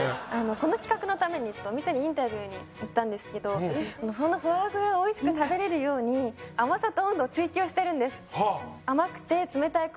この企画のためにお店にインタビューに行ったんですけどフォアグラを美味しく食べられるように甘さと温度を追求してるんです。